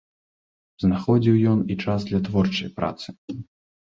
Знаходзіў ён і час для творчай працы.